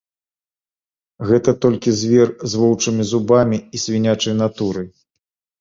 Гэта толькі звер з воўчымі зубамі і свінячай натурай.